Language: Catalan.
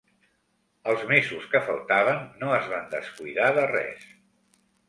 Els mesos que faltaven no es van descuidar de res